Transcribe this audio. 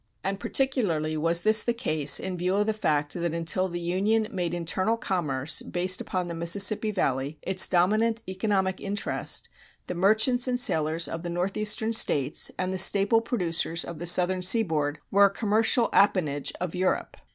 And particularly was this the case in view of the fact that until the Union made internal commerce, based upon the Mississippi Valley, its dominant economic interest, the merchants and sailors of the northeastern States and the staple producers of the southern sea board were a commercial appanage of Europe.